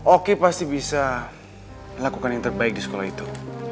oki pasti bisa lakukan yang terbaik di sekolah itu